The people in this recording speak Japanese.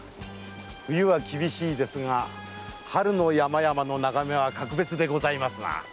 冬は厳しいですが春の山々の眺めは格別ですな〕